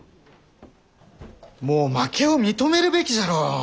もう負けを認めるべきじゃろう。